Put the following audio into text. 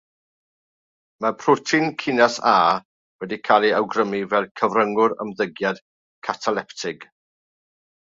Mae protein cinas A wedi cael ei awgrymu fel cyfryngwr ymddygiad cataleptig.